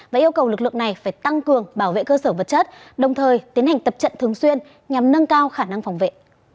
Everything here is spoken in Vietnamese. và yêu cầu lực lượng này phải tăng cường bảo vệ cơ sở vật chất đồng thời tiến hành tập trận thường xuyên nhằm nâng cao khả năng phòng vệ